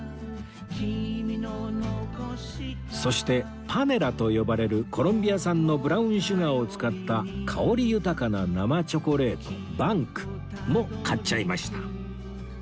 そしてパメラと呼ばれるコロンビア産のブラウンシュガーを使った香り豊かな生チョコレート ＢＡＮＫ も買っちゃいました